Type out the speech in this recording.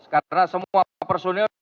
karena semua personel